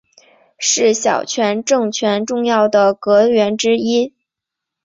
是小泉政权重要的阁员之一。